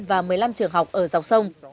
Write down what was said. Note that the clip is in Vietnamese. và một mươi năm trường học ở dọc sông